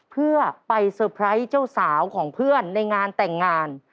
เพื่อไปเซอร์ไพรส์เจ้าสาวของเพื่อนในงานแต่งงาน